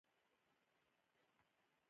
زه يو شپون يم